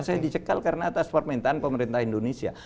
saya dicekal karena atas permintaan pemerintah indonesia